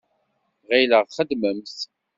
Ɣileɣ txeddmemt.